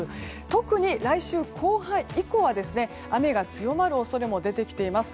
特に来週後半以降は雨が強まる恐れも出てきています。